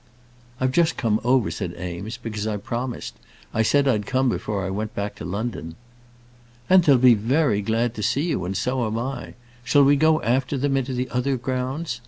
"I've just come over," said Eames, "because I promised. I said I'd come before I went back to London." "And they'll be very glad to see you, and so am I. Shall we go after them into the other grounds?